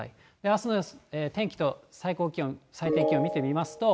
あすの天気と最高気温、最低気温見てみますと。